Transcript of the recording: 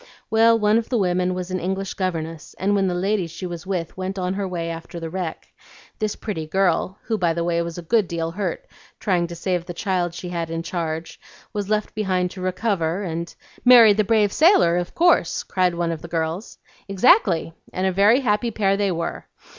Well, one of the women was an English governess, and when the lady she was with went on her way after the wreck, this pretty girl (who by the way was a good deal hurt trying to save the child she had in charge) was left behind to recover, and " "Marry the brave sailor of course," cried one of the girls. "Exactly! and a very happy pair they were.